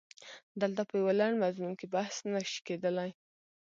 دلته په یوه لنډ مضمون کې بحث نه شي کېدلای.